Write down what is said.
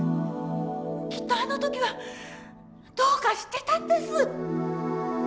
きっとあの時はどうかしてたんです。